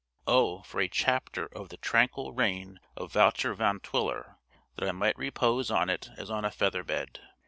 Oh, for a chapter of the tranquil reign of Wouter Van Twiller, that I might repose on it as on a feather bed!